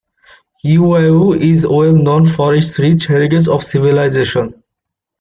Yuyao is well known for its rich heritage of civilization.